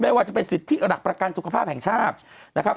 ว่าจะเป็นสิทธิหลักประกันสุขภาพแห่งชาตินะครับ